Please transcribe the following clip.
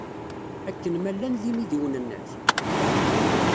Akken ma llan d imidiwen-nnek?